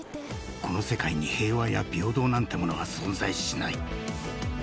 この世界に平和や平等なんてものは存在しない。